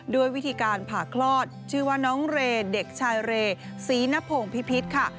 ด้วยวิธีการผ่าคลอดชื่อว่าน้องเรเด็กชายเรศรีนพงศ์พิพิษค่ะ